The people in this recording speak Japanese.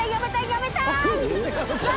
「やめたい」